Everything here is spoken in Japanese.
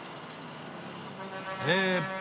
ええっと